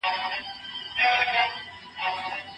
پلار د خپل عقل او پوهې په مټ زموږ ژوند ته لاره ښيي.